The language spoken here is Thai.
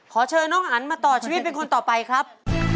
ขอเชิญน้องอันมาต่อชีวิตเป็นคนต่อไปครับ